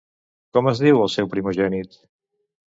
Com es diu el seu primogènit?